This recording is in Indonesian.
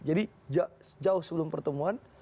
jadi jauh sebelum pertemuan